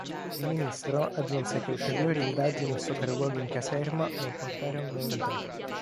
Il ministro aggiunse che ulteriori indagini e sopralluoghi in caserma non portarono novità.